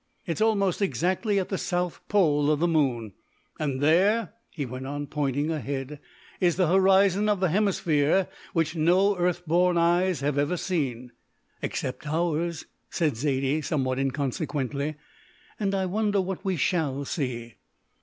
It is almost exactly at the south pole of the moon, and there," he went on, pointing ahead, "is the horizon of the hemisphere which no earthborn eyes have ever seen." "Except ours," said Zaidie somewhat inconsequently, "and I wonder what we shall see."